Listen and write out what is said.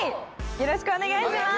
よろしくお願いします。